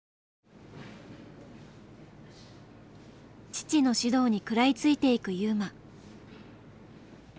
父の指導に食らいついていく優真。